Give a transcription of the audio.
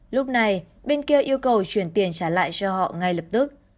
lúc này bên kia yêu cầu chuyển tiền trả lại cho họ ngay lập tức